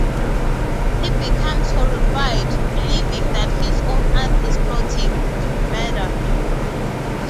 He becomes horrified, believing that his own aunt is plotting to murder him.